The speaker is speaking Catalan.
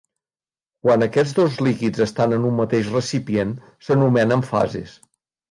Quan aquests dos líquids estan en un mateix recipient, s'anomenen fases.